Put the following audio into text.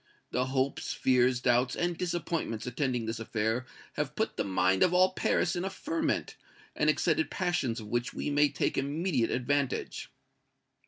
The hopes, fears, doubts and disappointments attending this affair have put the mind of all Paris in a ferment, and excited passions of which we may take immediate advantage."